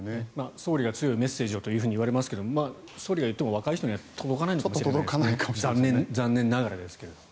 総理が強いメッセージをと言われますが総理が言っても若い人には届かないんでしょうね。残念ながら。